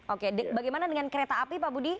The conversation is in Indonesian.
oke bagaimana dengan kereta api pak budi